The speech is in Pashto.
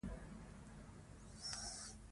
که ګټه نه وي شرکت وده نشي کولی.